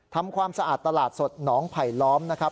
ทำความสะอาดตลาดสดหนองไผลล้อมนะครับ